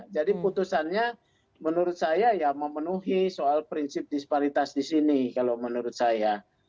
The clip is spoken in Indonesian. jadi putusannya menurut saya ya memenuhi soal prinsip disparitas di sini kalau menurut saya